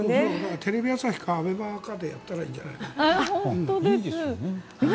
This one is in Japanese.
テレビ朝日かＡＢＥＭＡでやったらいいんじゃないかな。